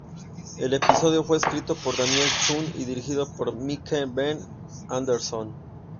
El episodio fue escrito por Daniel Chun y dirigido por Mike B. Anderson.